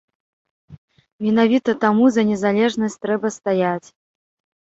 Менавіта таму за незалежнасць трэба стаяць.